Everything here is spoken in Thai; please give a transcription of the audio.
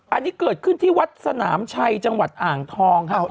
อันนี้เกิดขึ้นที่วัดสนามชัยจังหวัดอ่างทองครับ